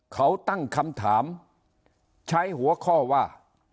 เขาตั้งคำถามใช้หัวข้อว่า